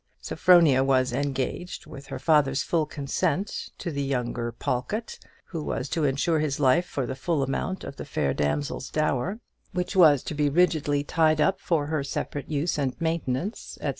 Sophronia was engaged, with her father's full consent, to the younger Pawlkatt, who was to insure his life for the full amount of the fair damsel's dower, which was to be rigidly tied up for her separate use and maintenance, &c.